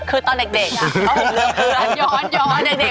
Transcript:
คือตอนเด็กลองเลือกเพื่อน